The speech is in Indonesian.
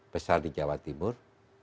besar di jawa timur